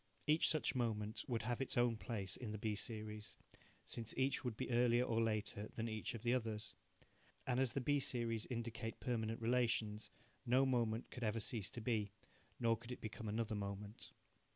Each such moment would have its own place in the B series, since each would be earlier or later than each of the others. And as the B series indicate permanent relations, no moment could ever cease to be, nor could it become another moment.